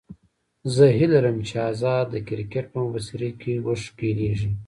زه هیله لرم چې شهزاد د کرکټ په مبصرۍ کې وښکلېږي.